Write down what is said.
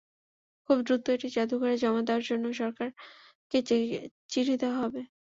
খুব দ্রুত এটি জাদুঘরে জমা দেওয়ার জন্য সরকারকে চিঠি দেওয়া হবে।